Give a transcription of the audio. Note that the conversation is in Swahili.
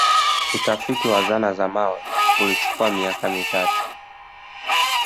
Utafiti wa zana za mawe ulichukua miaka mitatu